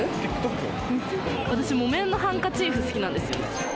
私、木綿のハンカチーフ好きなんですよ。